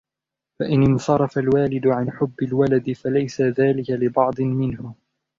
فَإِنْ انْصَرَفَ الْوَالِدُ عَنْ حُبِّ الْوَلَدِ فَلَيْسَ ذَلِكَ لِبَعْضٍ مِنْهُ